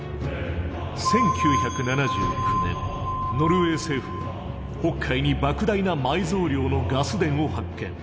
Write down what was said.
１９７９年ノルウェー政府は北海にばく大な埋蔵量のガス田を発見。